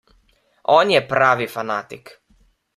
On je pravi fanatik.